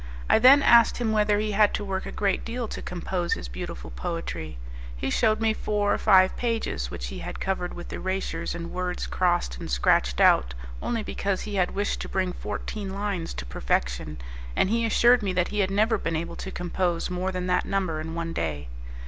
I then asked him whether he had to work a great deal to compose his beautiful poetry; he shewed me four or five pages which he had covered with erasures and words crossed and scratched out only because he had wished to bring fourteen lines to perfection, and he assured me that he had never been able to compose more than that number in one day.